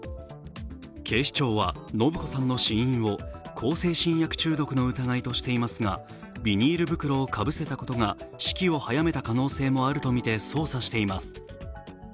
警視庁は、延子さんの死因を向精神薬中毒の疑いとしていますが、ビニール袋をかぶせたことが死期を早めた可能性もあるとみて捜査しています。